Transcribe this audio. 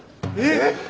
えっ！？